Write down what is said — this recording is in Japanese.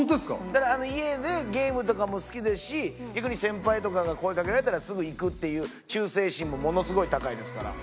だから家でゲームとかも好きですし逆に先輩とかから声かけられたらすぐ行くっていう忠誠心もものすごい高いですから。